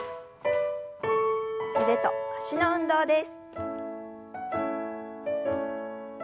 腕と脚の運動です。